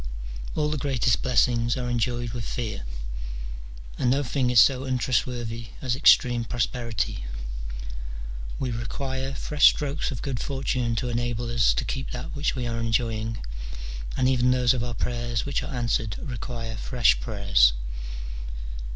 [AH the greatest blessings are enjoyed with fear, and no thing is so untrustworthy as extreme prosperity : we require fresh strokes of good fortune to enable us to keep that which we are enjoying, and even those of our prayers which are answered require fresh prayers.